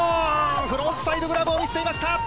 フロントサイドグラブを見せました。